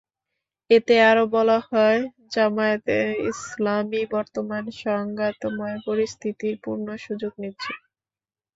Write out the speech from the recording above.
এতে আরও বলা হয়, জামায়াতে ইসলামী বর্তমান সংঘাতময় পরিস্থিতির পূর্ণ সুযোগ নিচ্ছে।